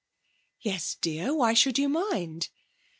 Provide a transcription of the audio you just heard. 'Yes, dear. Why should you mind?'